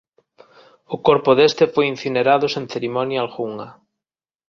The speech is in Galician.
O corpo deste foi incinerado sen cerimonia algunha.